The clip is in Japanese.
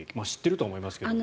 知っているとは思いますが。